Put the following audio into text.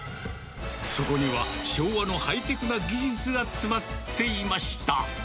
そこには昭和のハイテクな技術が詰まっていました。